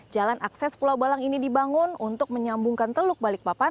jalan akses pulau balang ini dibangun untuk menyambungkan teluk balikpapan